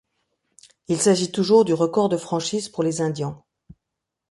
Il s'agit toujours du record de franchise pour les Indians.